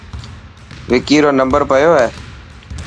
وڪي رو نمبر پيو هي.